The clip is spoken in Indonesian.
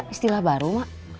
istilah baru mak